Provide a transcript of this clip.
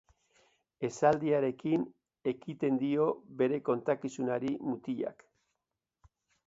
Esaldiarekin ekiten dio bere kontakizunari mutilak.